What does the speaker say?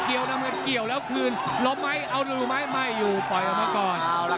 นี่นี่นี่นี่นี่นี่นี่นี่